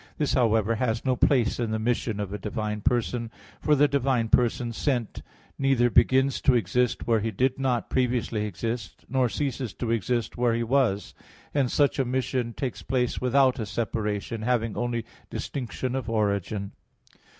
This, however, has no place in the mission of a divine person; for the divine person sent neither begins to exist where he did not previously exist, nor ceases to exist where He was. Hence such a mission takes place without a separation, having only distinction of origin.